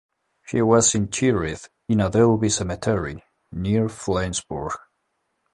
He was interred in Adelby Cemetery near Flensburg.